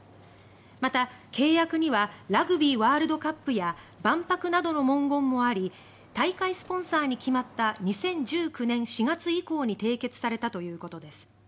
また、契約にはラグビーワールドカップや万博などの文言もあり大会スポンサーに決まった２０１９年４月以降に締結されたということです。